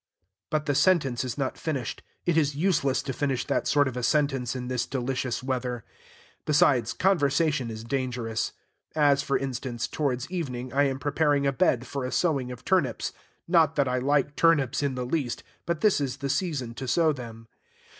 But the sentence is not finished: it is useless to finish that sort of a sentence in this delicious weather. Besides, conversation is dangerous. As, for instance, towards evening I am preparing a bed for a sowing of turnips, not that I like turnips in the least; but this is the season to sow them.